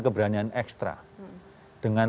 keberanian ekstra dengan